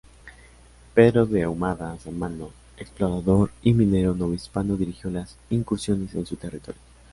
Pedro de Ahumada Sámano, explorador y minero novohispano dirigió las incursiones en su territorio.